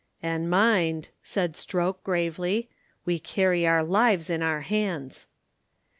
"And mind," said Stroke, gravely, "we carry our lives in our hands."